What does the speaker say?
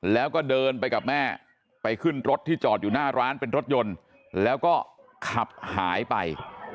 แล้วก็เดินไปกับแม่ไปขึ้นรถที่จอดอยู่หน้าร้านเป็นรถยนต์แล้วก็ขับหายไป